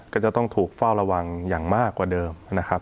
ก็จะต้องถูกเฝ้าระวังอย่างมากกว่าเดิมนะครับ